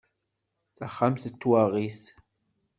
Taxxamt d tawaɣit.